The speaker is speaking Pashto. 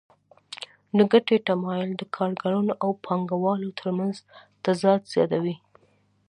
د ګټې تمایل د کارګرانو او پانګوالو ترمنځ تضاد زیاتوي